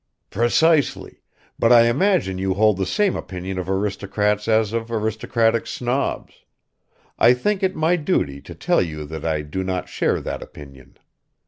"Precisely, but I imagine you hold the same opinion of aristocrats as of aristocratic snobs. I think it my duty to tell you that I do not share that opinion.